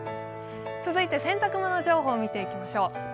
続いて洗濯物情報を見ていきましょう。